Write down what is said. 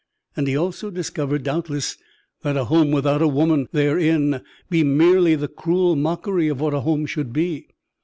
And he also discovered, doubtless, that a home without a woman therein be merely the cruel mockery of what a home should be.